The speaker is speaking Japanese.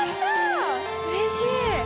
うれしい。